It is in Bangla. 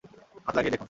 হাত লাগিয়ে দেখুন।